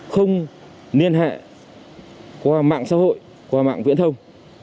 không liên hệ qua mạng xã hội qua mạng viễn thông